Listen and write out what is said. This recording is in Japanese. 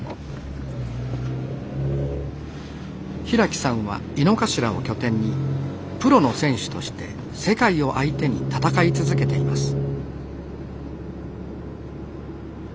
平木さんは猪之頭を拠点にプロの選手として世界を相手に戦い続けています